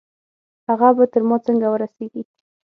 هغه به تر ما څنګه ورسېږي؟